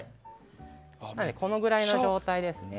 なので、このぐらいの状態ですね。